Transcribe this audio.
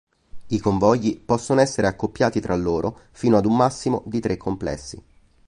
I convogli possono essere accoppiati tra loro fino ad un massimo di tre complessi.